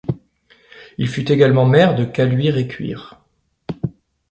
Il fut également maire de Caluire-et-Cuire.